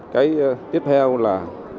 cái tiếp theo là